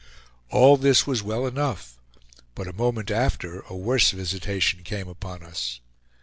All this was well enough, but a moment after a worse visitation came upon us.